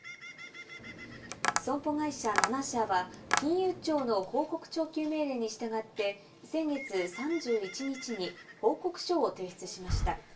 損保会社７社は、金融庁の報告徴求命令に従って、先月３１日に報告書を提出しました。